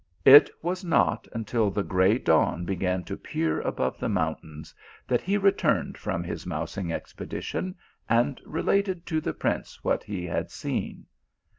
It was not until the gray dawn began to peer above the mountains that he returned from his mousing expedition, and related to the prince what he had seen.